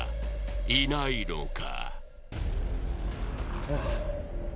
いないのか？